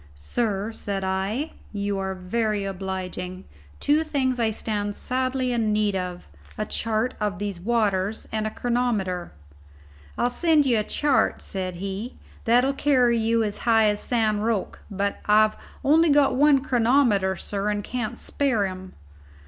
"Sir," said I, "you are very obliging. Two things I stand sadly in need of: a chart of these waters and a chronometer." "I'll send you a chart," said he, "that'll carry you as high as San Roque; but I've only got one chronometer, sir, and can't spare him."